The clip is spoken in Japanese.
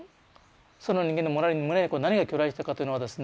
その人間の胸に何が去来したかというのはですね